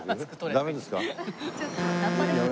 ダメですか？